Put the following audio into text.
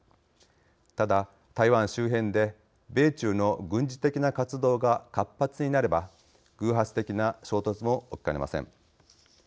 ただ台湾周辺で米中の軍事的な活動が活発になれば偶発的な衝突も起きかねません。